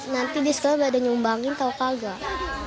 nanti di sekolah badannya umbangin tahu kagak